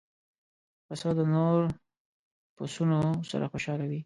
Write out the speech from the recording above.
پسه د نور پسونو سره خوشاله وي.